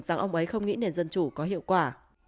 rằng ông ấy không nghĩ nền dân chủ có hiệu quả